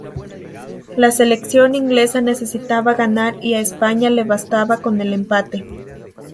La selección inglesa necesitaba ganar y a España le bastaba con el empate.